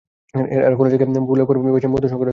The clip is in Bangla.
এরা খোলা জায়গায় ফুলের উপর এসে বসে মধু সংগ্রহের জন্য।